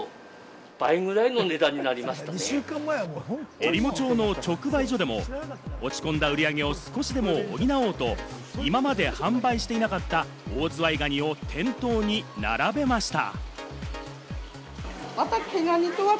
えりも町の直売所でも、落ち込んだ売り上げを少しでも補おうと、今まで販売していなかったオオズワイガニを店頭に並べました。